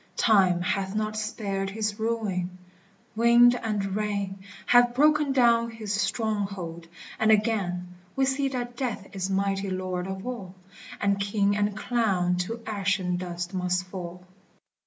Time hath not spared his ruin, — wind and rain Have broken down his stronghold ; and again We see that Death is mighty lord of all, And king and clown to ashen dust must fall.